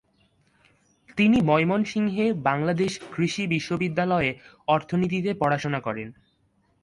তিনি ময়মনসিংহে বাংলাদেশ কৃষি বিশ্ববিদ্যালয়ে অর্থনীতিতে পড়াশোনা করেন।